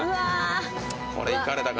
これいかれたかな。